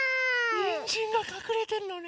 にんじんがかくれてるのね。